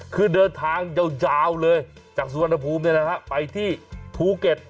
คือเดินทางยาวเลยจากสุวรรณภูมิไปที่ภูเก็ต